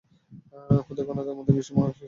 খুদে কণাদের দিয়েই মহাবিশ্বের সব বস্তু তৈরি।